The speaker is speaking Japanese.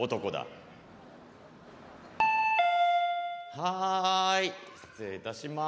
はい失礼いたします。